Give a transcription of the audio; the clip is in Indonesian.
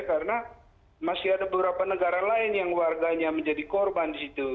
karena masih ada beberapa negara lain yang warganya menjadi korban di situ